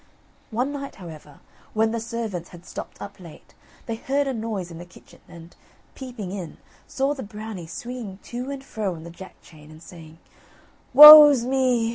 One night, however, when the servants had stopped up late, they heard a noise in the kitchen, and, peeping in, saw the Brownie swinging to and fro on the Jack chain, and saying: "Woe's me!